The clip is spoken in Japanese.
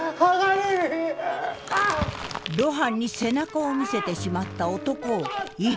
露伴に背中を見せてしまった男を異変が襲う。